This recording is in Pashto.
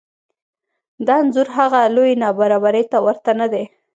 دا انځور هغه لویې نابرابرۍ ته ورته نه دی